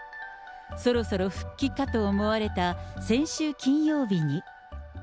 そろそろ復帰かと思われた先週金曜日に。